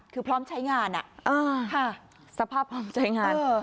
คือพร้อมใช้งานสภาพพร้อมใช้งาน